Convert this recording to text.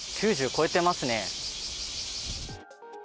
９０超えてますね。